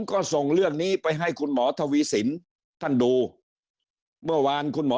ก็ส่งเรื่องนี้ไปให้คุณหมอทวีสินท่านดูเมื่อวานคุณหมอ